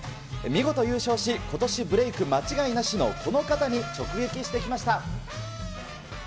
見事優勝し、ことしブレーク間違いなしのこの方に直撃してきました。